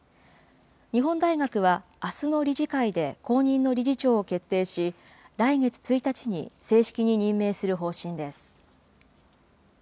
日本大学は、あすの理事会で後任の理事長を決定し、来月１日に正式に任命する方針です。